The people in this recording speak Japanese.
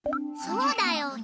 そうだよ。